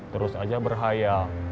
terus aja berhayal